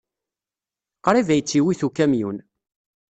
Qrib ay tt-iwit ukamyun.